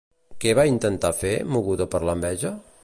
Què va intentar fer, moguda per l'enveja?